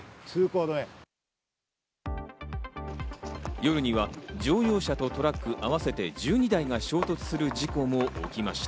夜には乗用車とトラック、合わせて１２台が衝突する事故も起きました。